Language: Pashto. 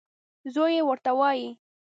زوی یې ورته وايي .